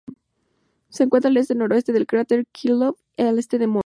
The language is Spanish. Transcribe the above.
Se encuentra al oeste-noroeste del cráter Krylov, y al este de Moore.